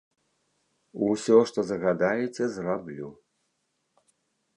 Усё, што загадаеце, зраблю.